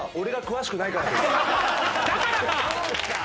だからか！